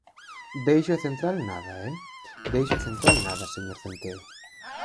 De eixo central nada, ¡eh!, de eixo central nada, señor Centeo.